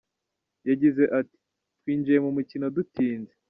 Yagize ati “Twinjiye mu mukino dutinze.